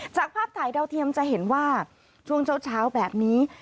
ภาพถ่ายดาวเทียมจะเห็นว่าช่วงเช้าแบบนี้